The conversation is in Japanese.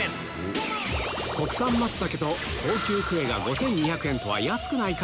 国産松茸と高級クエが５２００円とは安くないか？